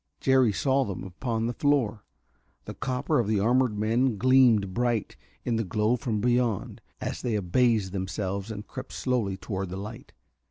Jerry saw them upon the floor. The copper of the armored men gleamed bright in the glow from beyond, as they abased themselves and crept slowly toward the light.